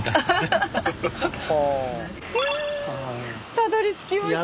たどりつきましたよ。